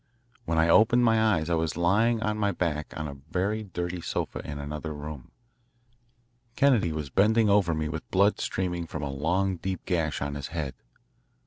When I opened my eyes I was lying on my back on a very dirty sofa in another room. Kennedy was bending over me with blood streaming from a long deep gash on his head.